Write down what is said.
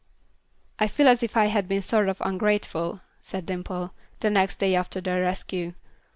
"I feel as if I had been sort of ungrateful," said Dimple, the next day after their rescue.